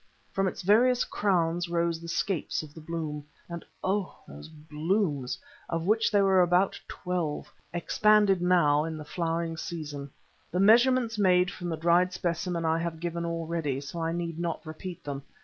From its various crowns rose the scapes of bloom. And oh! those blooms, of which there were about twelve, expanded now in the flowering season. The measurements made from the dried specimen I have given already, so I need not repeat them.